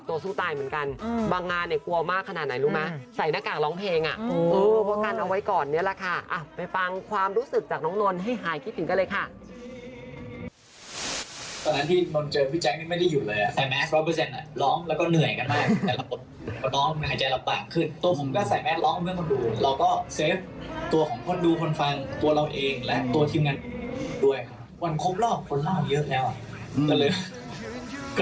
ตอนนั้นที่หน่วนเจอพี่แจ๊คพี่ไม่ได้อยู่เลยอะ